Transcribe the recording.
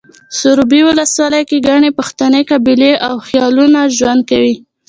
سروبي ولسوالۍ کې ګڼې پښتنې قبیلې او خيلونه ژوند کوي